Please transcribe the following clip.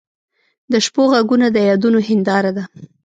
د شپو ږغونه د یادونو هنداره ده.